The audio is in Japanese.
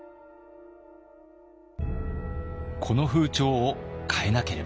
この風潮を変えなければ！